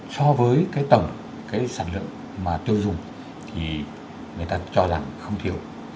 so với cái tổng cái sản lượng mà tiêu dùng thì người ta cho rằng không thiếu